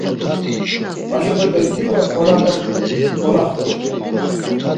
Haşopete dido orape golaxtu.